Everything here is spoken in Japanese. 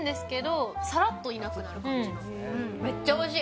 めっちゃおいしい。